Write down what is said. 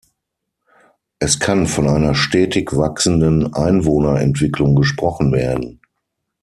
Es kann von einer stetig wachsenden Einwohnerentwicklung gesprochen werden.